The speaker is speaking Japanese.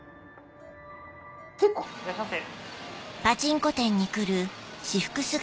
いらっしゃいませ。